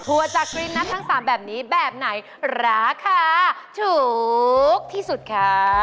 จากกรีนนั้นทั้ง๓แบบนี้แบบไหนราคาถูกที่สุดคะ